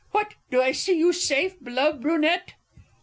What, do I see you safe, beloved Brunette?